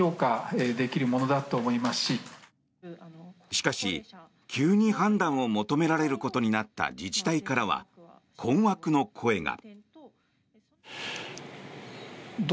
しかし、急に判断を求められることになった自治体からは困惑の声が。